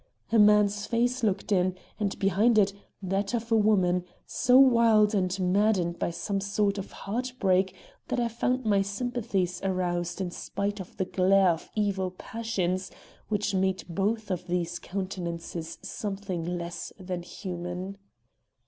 A man's face looked in, and behind it, that of a woman, so wild and maddened by some sort of heart break that I found my sympathies aroused in spite of the glare of evil passions which made both of these countenances something less than human.